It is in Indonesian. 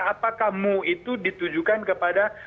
apakah moo itu ditujukan kepada